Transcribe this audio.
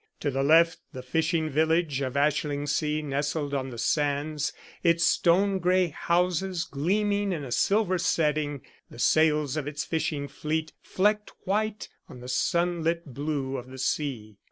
To the left the fishing village of Ashlingsea nestled on the sands, its stone grey houses gleaming in a silver setting, the sails of its fishing fleet flecked white on the sunlit blue of the sea.